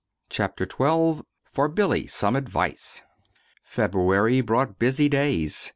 CHAPTER XII. FOR BILLY SOME ADVICE February brought busy days.